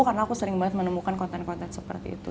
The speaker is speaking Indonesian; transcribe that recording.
karena aku sering banget menemukan konten konten seperti itu